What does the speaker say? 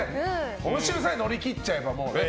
今週さえ乗り切っちゃえばもうね。